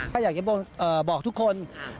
ก็อยากจะบอกทุกคน